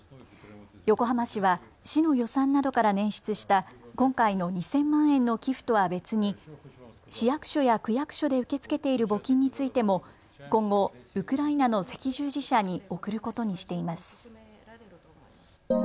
横浜市は市の予算などから捻出した今回の２０００万円の寄付とは別に市役所や区役所で受け付けている募金についても今後ウクライナの赤十字社に送ることにしています。